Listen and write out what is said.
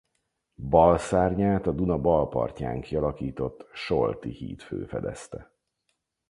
Balszárnyát a Duna bal partján kialakított Solti hídfő fedezte.